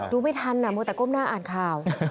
ดูไม่ทันมัวแต่ก้มหน้าอ่านข่าว